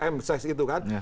m ses itu kan